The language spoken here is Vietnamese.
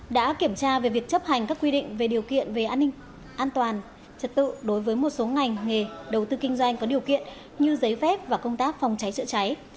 đã kiểm tra về việc chấp hành các quy định về điều kiện về an ninh an toàn trật tự đối với một số ngành nghề đầu tư kinh doanh có điều kiện như giấy phép và công tác phòng cháy chữa cháy